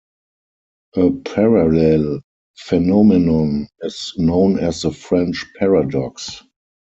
A parallel phenomenon is known as the French Paradox.